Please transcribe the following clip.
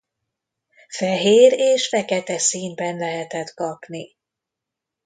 Fehér és fekete színben lehetett kapni.